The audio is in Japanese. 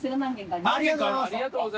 ありがとうございます！